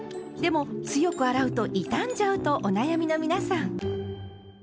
でも強く洗うと傷んじゃうとお悩みの皆さん。